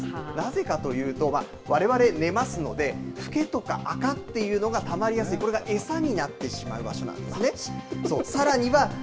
なぜかというとわれわれ寝ますのでふけとかあかというのがたまりやすい、これが餌になってしまう場所なんですね。